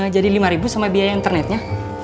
jadi rp lima sama biaya internetnya